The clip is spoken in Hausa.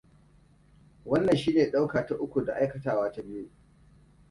Wannan shine ɗauka ta uku da aikatawa ta biyu.